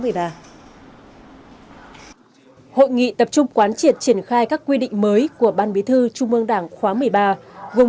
hội nghị tập trung quán triệt triển khai các quy định mới của ban bí thư trung ương đảng khóa một mươi ba gồm